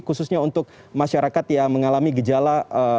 khususnya untuk masyarakat yang mengalami gejala